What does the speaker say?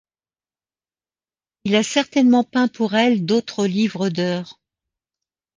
Il a certainement peint pour elle d'autres livres d'heures.